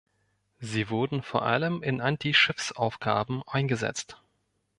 Sie wurden vor allem in Anti-Schiffsaufgaben eingesetzt.